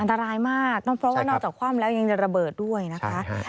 อันตรายมากเพราะว่านอกจากคว่ำแล้วยังจะระเบิดด้วยนะคะ